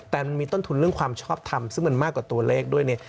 แต่มันมีต้นทุนเรื่องความชอบทำซึ่งมันมากกว่าตัวเลขด้วยเนี่ย